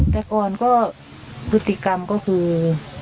แต่ก่อนก็พฤติกรรมก็คือ